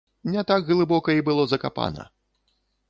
Не так глыбока і было закапана.